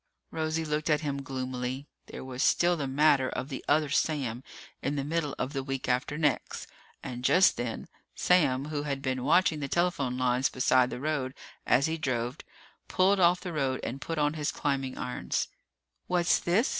Rosie looked at him gloomily. There was still the matter of the other Sam in the middle of the week after next. And just then, Sam, who had been watching the telephone lines beside the road as he drove, pulled off the road and put on his climbing irons. "What's this?"